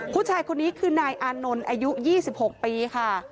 ผู้ชายคนนี้คือนายอานนท์อายุ๒๖ปีค่ะ